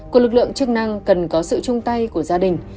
của lực lượng chức năng cần có sự chung tay của gia đình